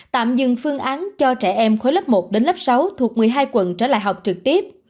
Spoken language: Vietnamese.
tạm dừng phương án cho trẻ em khối lớp một đến lớp sáu thuộc một mươi hai quận trở lại học trực tiếp